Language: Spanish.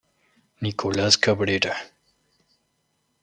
Nicolás Cabrera.